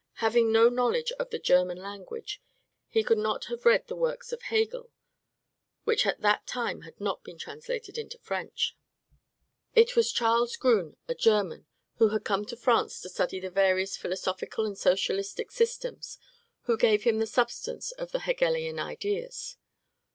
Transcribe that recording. Having no knowledge of the German language, he could not have read the works of Hegel, which at that time had not been translated into French. It was Charles Grun, a German, who had come to France to study the various philosophical and socialistic systems, who gave him the substance of the Hegelian ideas.